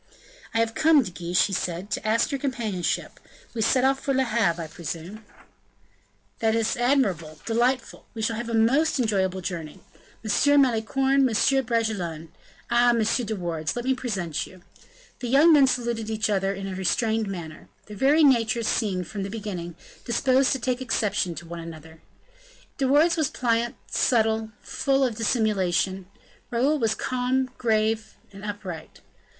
"I have come, De Guiche," he said, "to ask your companionship. We set off for Le Havre, I presume." "This is admirable delightful. We shall have a most enjoyable journey. M. Malicorne, M. Bragelonne ah! M. de Wardes, let me present you." The young men saluted each other in a restrained manner. Their very natures seemed, from the beginning, disposed to take exception to each other. De Wardes was pliant, subtle, full of dissimulation; Raoul was calm, grave, and upright.